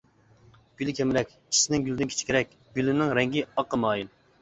گۈلى كەمرەك، چىشىسىنىڭ گۈلىدىن كىچىكرەك، گۈلىنىڭ رەڭگى ئاققا مايىل.